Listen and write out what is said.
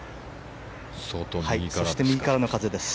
そして右からの風です。